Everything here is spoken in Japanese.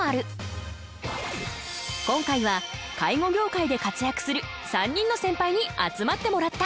今回は介護業界で活躍する３人のセンパイに集まってもらった。